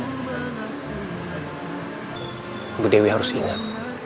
pudewi harus ingat